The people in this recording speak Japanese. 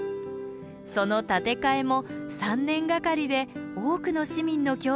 その建て替えも３年がかりで多くの市民の協力を得て行われたのだとか。